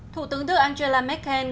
thủ tướng tư angela merkel